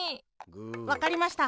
わかりました！